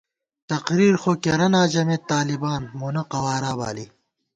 تقریر خو کېرَنا ژَمېت طالِبان، مونہ قوارا بالی